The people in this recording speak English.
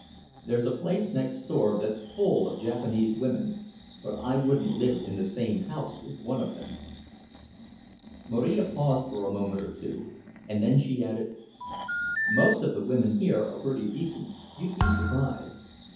There's a place next door that's full of Japanese women, but I wouldn't live in the same house with one of them." Marija paused for a moment or two, and then she added: "Most of the women here are pretty decent—you'd be surprised.